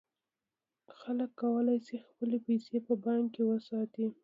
خلک کولای شي خپلې پیسې په بانک کې وساتي.